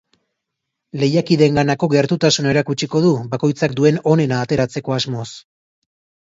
Lehiakideenganako gertutasuna erakutsiko du, bakoitzak duen onena ateratzeko asmoz.